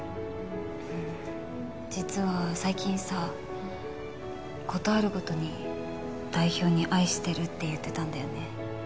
うん実は最近さ事あるごとに代表に「愛してる」って言ってたんだよね。